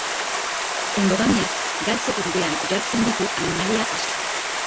Endogamiak galtzeko bidean jartzen ditu animalia asko.